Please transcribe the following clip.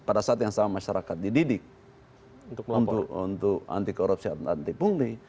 pada saat yang sama masyarakat dididik untuk anti korupsi atau anti pungli